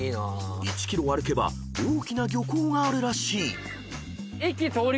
［１ｋｍ歩けば大きな漁港があるらしい］